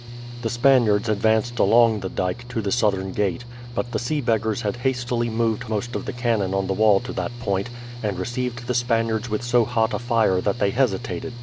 The Spaniards advanced along the dyke to the southern gate, but the sea beggars had hastily moved most of the cannon on the wall to that point, and received the Spaniards with so hot a fire that they hesitated.